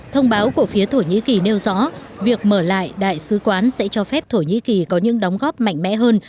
thông báo của phía thổ nhĩ kỳ nêu rõ việc mở lại đại sứ quán sẽ cho phép thổ nhĩ kỳ có những đóng góp mạnh mẽ hơn